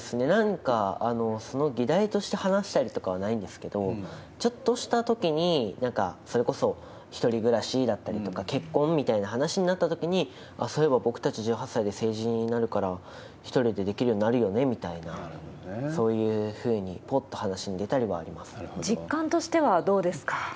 なんかその議題として話したりとかはないんですけど、ちょっとしたときに、なんかそれこそ、１人暮らしだったりとか、結婚みたいな話になったときに、あっ、そういえば僕たち１８歳で成人になるから、１人でできるようになるよねみたいな、そういうふうに、ぽっと話実感としてはどうですか。